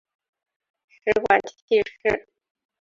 食管憩室。